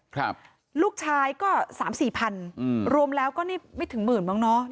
ครับลูกชายก็สามสี่พันอืมรวมแล้วก็นี่ไม่ถึงหมื่นมั้งเนอะ